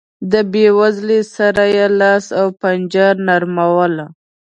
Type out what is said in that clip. له بېوزلۍ سره یې لاس و پنجه نرموله.